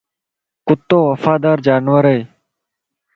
ڪُتو وفادار جانور ائي